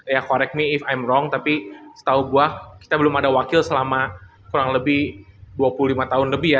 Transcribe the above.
ya correct me if i m wrong tapi setahu gue kita belum ada wakil selama kurang lebih dua puluh lima tahun lebih ya